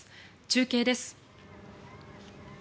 中継です。